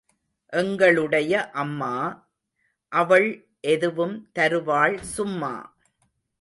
எங்களுடைய அம்மா—அவள் எதுவும் தருவாள் சும்மா.